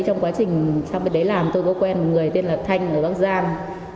trong quá trình trong cái đấy làm tôi có quen một người tên là thanh ở bắc giang